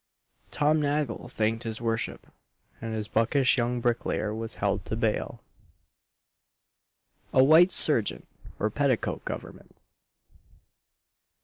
Tom Nagle thanked his worship, and the buckish young bricklayer was held to bail. A WHITE SERGEANT, OR PETTICOAT GOVERNMENT.